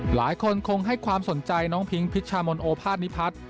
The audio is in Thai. หลายคนคงให้ความสนใจน้องพิงพิชามนโอภาษณิพัฒน์